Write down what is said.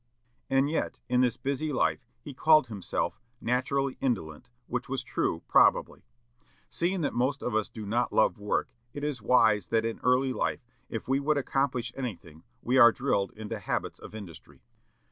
And yet in this busy life he called himself "naturally indolent," which was true, probably. Seeing that most of us do not love work, it is wise that in early life, if we would accomplish anything, we are drilled into habits of industry.